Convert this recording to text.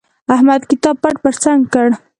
احمد کتاب پټ پر څنګ کړ.